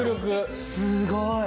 すごい。